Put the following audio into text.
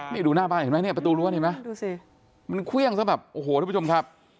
นี่ดูหน้าบ้านเห็นไหมเนี่ยประตูรั้วเห็นไหมดูสิมันเครื่องซะแบบโอ้โหทุกผู้ชมครับ